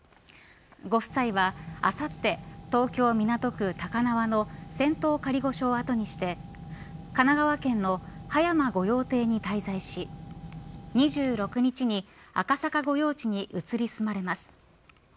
ご夫妻は、あさって東京、港区高輪の仙洞仮御所を後にして神奈川県の葉山御用邸に滞在し２６日に赤坂御用地に移り住まれます。